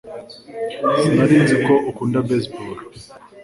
Sinari nzi ko ukunda baseball